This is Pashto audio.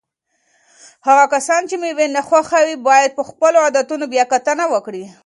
هغه کسان چې مېوې نه خوښوي باید په خپلو عادتونو بیا کتنه وکړي.